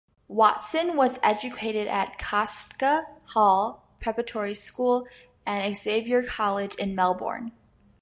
Watson was educated at Kostka Hall preparatory school and Xavier College in Melbourne.